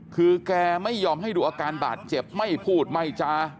คือแกไม่ยอมให้ดูอาการบาดเจ็บไม่พูดไม่จา